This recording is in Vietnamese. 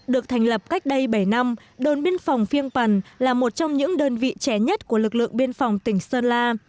được thành lập cách đây bảy năm đồn biên phòng phiêng pần là một trong những đơn vị trẻ nhất của lực lượng biên phòng tỉnh sơn la